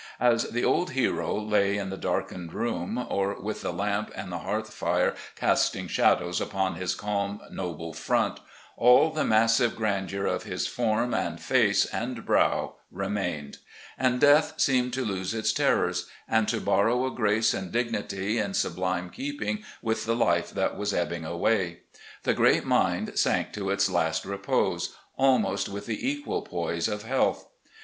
" As the old hero lay in the darkened room, or with the lamp and hearth fire casting shadows upon his calm, noble front, all the massive grandeur of his form, and face, LAST DAYS 439 and brow remained ; and death seemed to lose its terrors, and to borrow a grace and dignity in sublime keeping with the life that was ebbing away. The great mind sank to its last repose, almost with the equal poise of health.